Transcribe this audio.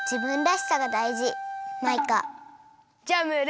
じゃあムール！